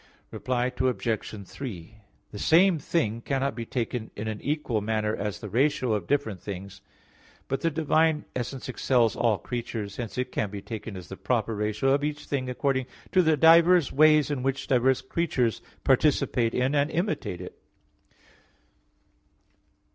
Reply Obj. 3: The same thing cannot be taken in an equal manner as the ratio of different things. But the divine essence excels all creatures. Hence it can be taken as the proper ratio of each thing according to the diverse ways in which diverse creatures participate in, and imitate it.